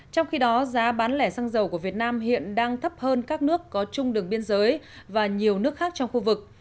trong khi đó giá bán lẻ xăng dầu của việt nam hiện đang thấp hơn các nước có chung đường biên giới và nhiều nước khác trong khu vực